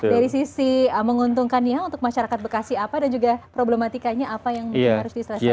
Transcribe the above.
dari sisi menguntungkannya untuk masyarakat bekasi apa dan juga problematikanya apa yang harus diselesaikan